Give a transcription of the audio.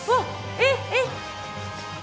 えっえっ。